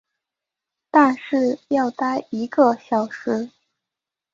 但是要待一个小时